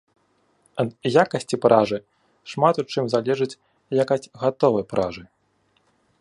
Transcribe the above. Ад якасці пражы шмат у чым залежыць якасць гатовай пражы.